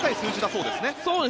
そうですね。